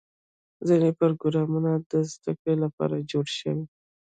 ځینې پروګرامونه د زدهکړې لپاره جوړ شوي.